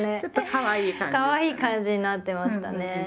かわいい感じになってましたね。